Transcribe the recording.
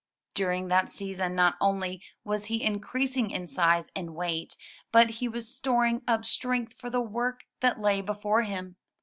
During that season not only was he increasing in size and weight, but he was storing up strength for the work that lay before him.